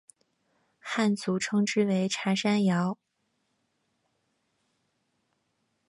汉族称之为茶山瑶。